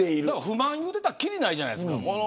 不満言っていたらきりないじゃないですか。